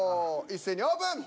一斉にオープン！